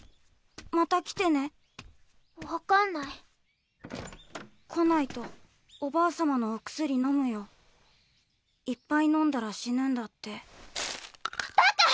また来てね分かんない来ないとおばあ様のお薬のむよいっぱいのんだら死ぬんだってバカ！